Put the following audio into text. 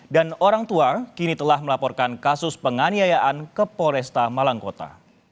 dan orang tua kini telah melaporkan kasus penganiayaan ke polresta malang kota